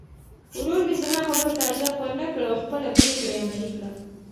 ورور مې زما خبرو ته ارزښت ورنه کړ او خپله پرېکړه یې عملي کړه.